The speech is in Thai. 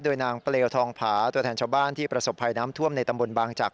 โดยนางเปลวทองผาตัวแทนชาวบ้านที่ประสบภัยน้ำท่วมในตำบลบางจักร